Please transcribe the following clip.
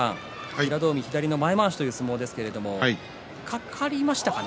平戸海は左の前まわしという相撲ですが、かかりましたかね。